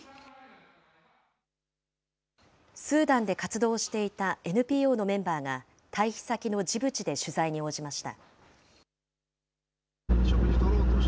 スーダンで活動していたＮＰＯのメンバーが、退避先のジブチで取材に応じました。